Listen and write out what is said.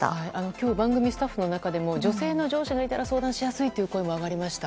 今日、番組スタッフの中でも女性の上司がいたら相談しやすいという声が上がりました。